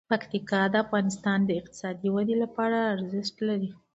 پکتیکا د افغانستان د اقتصادي ودې لپاره ارزښت لري.